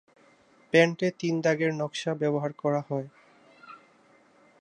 প্যান্টে তিন দাগের নকশা ব্যবহার করা হয়।